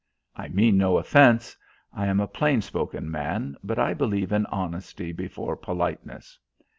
I mean no offence. I am a plain spoken man, but I believe in honesty before politeness."